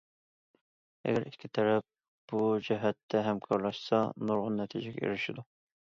ئەگەر ئىككى تەرەپ بۇ جەھەتتە ھەمكارلاشسا، نۇرغۇن نەتىجىگە ئېرىشىدۇ.